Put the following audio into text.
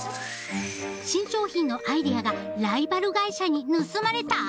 新商品のアイデアがライバル会社に盗まれた！？